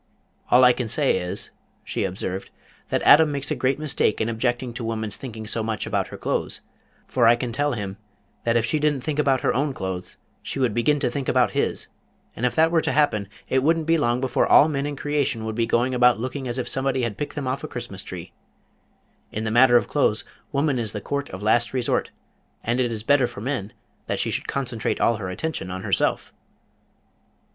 "All I can say is," she observed, "that Adam makes a great mistake in objecting to woman's thinking so much about her clothes, for I can tell him that if she didn't think about her own clothes she would begin to think about his, and if that were to happen it wouldn't be long before all men in creation would be going about looking as if somebody had picked them off a Christmas tree. In the matter of clothes woman is the court of last resort, and it is better for men that she should concentrate all her attention on herself!"